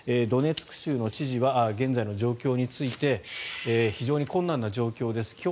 ドネツク州の知事は現在の状況について非常に困難な状況です